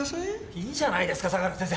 いいじゃないですか相良先生。